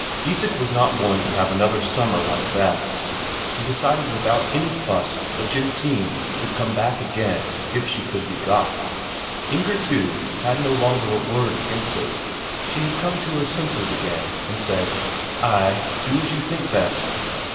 Isak was not going to have another summer like that; he decided without any fuss that Jensine should come back again if she could be got. Inger, too, had no longer a word against it; she had come to her senses again, and said: "Ay, do as you think best."